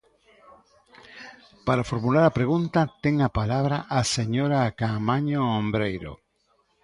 Para formular a pregunta ten a palabra a señora Caamaño Ombreiro.